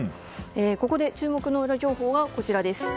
ここで注目のウラ情報がこちらです。